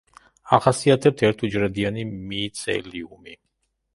ახასიათებთ ერთუჯრედიანი მიცელიუმი.